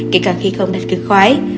kể cả khi không đặt cơ khoái